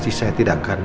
bahwa saya tidak akan